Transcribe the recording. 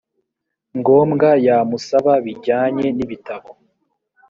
ngombwa yamusaba bijyanye n ibitabo